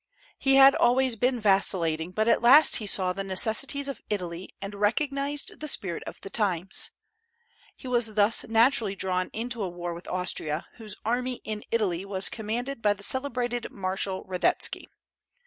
He had always been vacillating, but at last he saw the necessities of Italy and recognized the spirit of the times. He was thus naturally drawn into a war with Austria, whose army in Italy was commanded by the celebrated Marshal Radetzky.